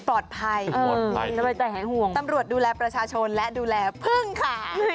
ปลอดภัยตำรวจดูแลประชาชนและดูแลพึ่งค่ะ